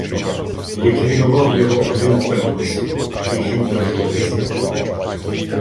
Ліквідував його один Петрусь "Жінка журиться".